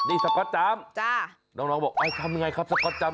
นี่สก๊อตจำน้องบอกเอาทำยังไงครับสก๊อตจำ